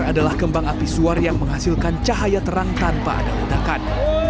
adalah kembang api suar yang menghasilkan cahaya terang tanpa ada ledakan